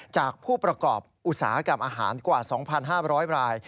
จากผู้ประกอบอุตสาหกรรมอาหารกว่า๒๕๐๐ราย